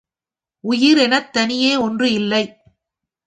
உயிர் எனத் தனியே ஒன்று இல்லை.